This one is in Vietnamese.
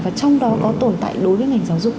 và trong đó có tồn tại đối với ngành giáo dục